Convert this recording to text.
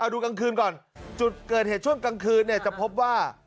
ดูกลางคืนก่อนจุดเกิดเหตุช่วงกลางคืนจะพบว่า